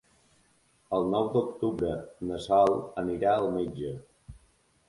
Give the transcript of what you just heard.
El nou d'octubre na Sol anirà al metge.